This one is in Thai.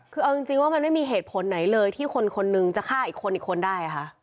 คือเอาจริงว่ามันไม่มีเหตุผลไหนเลยที่คนคนนึงจะฆ่าอีกคนอีกคนได้ค่ะ